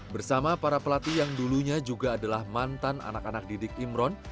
bersama para pelatih yang dulunya juga adalah mantan anak anak didik imron